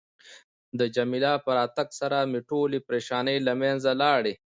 د جميله په راتګ سره مې ټولې پریشانۍ له منځه لاړې.